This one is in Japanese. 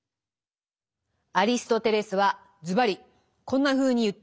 アリストテレスはズバリこんなふうに言っています。